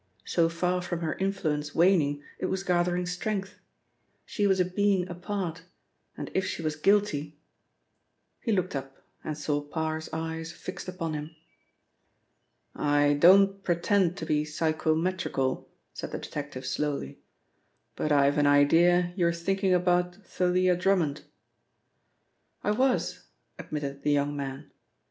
So far from her influence waning, it was gathering strength. She was a being apart, and if she was guilty He looked up, and saw Parr's eyes fixed upon him. "I don't pretend to be psychometrical," said the detective slowly, "but I've an idea you're thinking about Thalia Drummond." "I was," admitted the young man. "Mr.